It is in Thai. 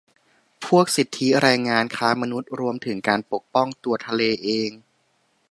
พวกสิทธิแรงงาน ค้ามนุษย์ รวมถึงการปกป้องตัวทะเลเอง